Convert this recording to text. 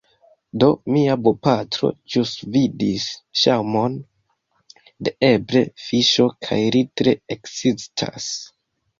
Do, mia bopatro ĵus vidis ŝaŭmon de eble fiŝo kaj li tre ekscitas